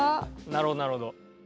なるほどなるほど。